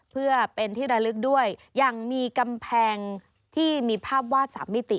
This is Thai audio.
เพื่อเป็นที่ระลึกด้วยยังมีกำแพงที่มีภาพวาดสามมิติ